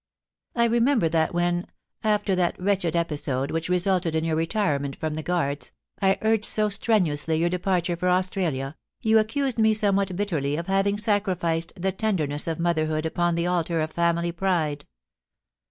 * I remember that when, after that wretched episode which resulted in your retirement from the Guards, I urged so strenuously your departure for Australia, you accused me somewhat bitterly of having sacrificed the tenderness of motherhood upon the altar of family pride.